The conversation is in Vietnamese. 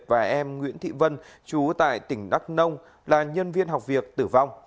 và em nguyễn thị vân chú tại tỉnh đắk nông là nhân viên học việc tử vong